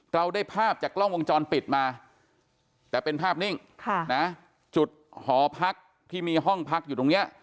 เราได้ภาพจากกล้องวงจรปิดมาแต่เป็นภาพนิ่งจุดหอพักที่มีห้องพักอยู่ตรงนี้